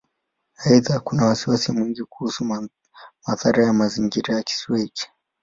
Aidha, kuna wasiwasi mwingi kuhusu madhara ya mazingira ya Kisiwa hiki.